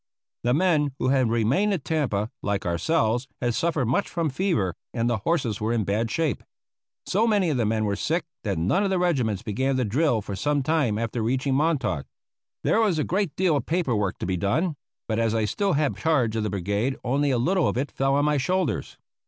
The men who had remained at Tampa, like ourselves, had suffered much from fever, and the horses were in bad shape. So many of the men were sick that none of the regiments began to drill for some time after reaching Montauk. There was a great deal of paper work to be done; but as I still had charge of the brigade only a little of it fell on my shoulders.